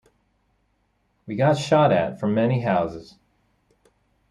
We get shot at from many houses.